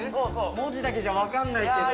文字だけじゃ分かんないけど。